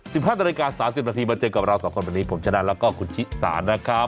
ห้านาฬิกาสามสิบนาทีมาเจอกับเราสองคนวันนี้ผมชนะแล้วก็คุณชิสานะครับ